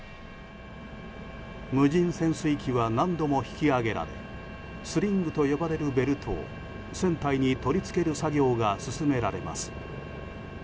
無人潜水機は何度も引き揚げられスリングと呼ばれるベルトを船体に取り付ける作業が進められます。